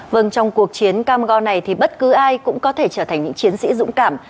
vâng trong cuộc chiến cam go này thì bất cứ ai cũng có thể trở thành những chiến sĩ dũng cảm